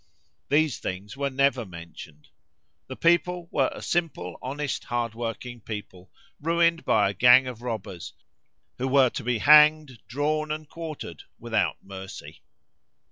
These things were never mentioned. The people were a simple, honest, hard working people, ruined by a gang of robbers, who were to be hanged, drawn, and quartered without mercy.